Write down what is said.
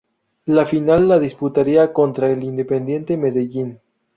La final la disputaría contra el Independiente Medellín.